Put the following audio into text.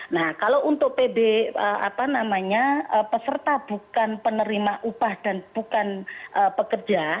nah kalau untuk pb apa namanya peserta bukan penerima upah dan bukan pekerja